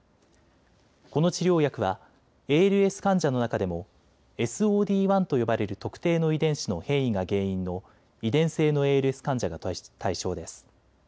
この治療薬はＡＬＳ患者の中でもＳＯＤ１と呼ばれる特定の遺伝子の変異が原因の遺伝性のＡＬＳ患者が対象です。